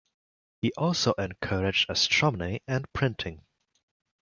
He also encouraged astronomy and printing.